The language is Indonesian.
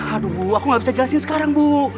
aduh bu aku nggak bisa jelasin sekarang bu